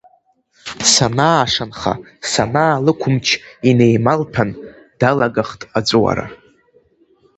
Санаашанха, санаалықәымч, инеималҭәан, далагахт аҵәуара.